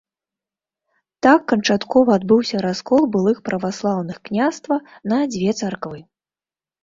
Так канчаткова адбыўся раскол былых праваслаўных княства на дзве царквы.